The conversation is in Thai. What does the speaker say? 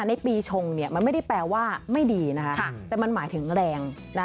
ในปีชงเนี่ยมันไม่ได้แปลว่าไม่ดีนะคะแต่มันหมายถึงแรงนะ